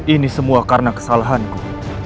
ini semua karena kesalahanku